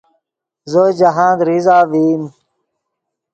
زو جاہند ریزہ ڤئیم